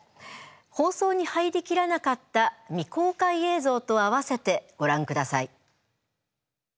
放送に入り切らなかった未公開映像と併せてご覧ください。